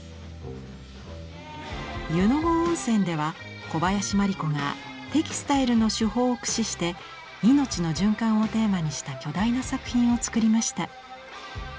湯郷温泉では小林万里子がテキスタイルの手法を駆使して「命の循環」をテーマにした巨大な作品を作りました。